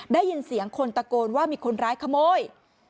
ได้ยินเสียงคนตะโกนว่ามีคนร้ายขโมย